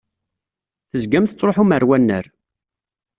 Tezgam tettṛuḥum ar wannar.